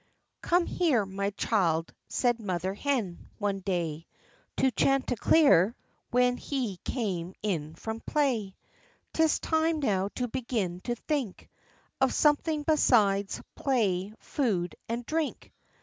" Come here, my child," said Mother Hen, one day, To Chanticleer, when he came in from play; " 'Tis time now to begin to think Of something besides play, food, and drink.